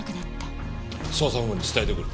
捜査本部に伝えてくる。